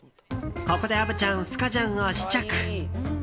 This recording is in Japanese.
ここで、虻ちゃんスカジャンを試着。